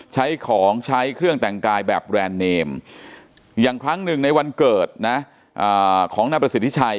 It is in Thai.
ใช้ของใช้เครื่องแต่งกายแบบแบรนด์เนมอย่างครั้งหนึ่งในวันเกิดนะของนายประสิทธิชัย